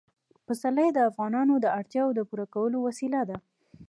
پسرلی د افغانانو د اړتیاوو د پوره کولو وسیله ده.